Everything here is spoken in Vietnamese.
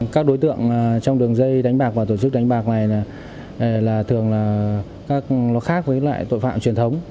các đối tượng trong đường dây đánh bạc và tổ chức đánh bạc này là thường là các nó khác với loại tội phạm truyền thống